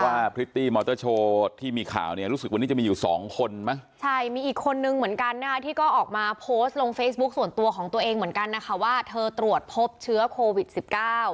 พริตตี้มอเตอร์โชว์ที่มีข่าวเนี่ยรู้สึกวันนี้จะมีอยู่สองคนมั้ยใช่มีอีกคนนึงเหมือนกันนะคะที่ก็ออกมาโพสต์ลงเฟซบุ๊คส่วนตัวของตัวเองเหมือนกันนะคะว่าเธอตรวจพบเชื้อโควิดสิบเก้า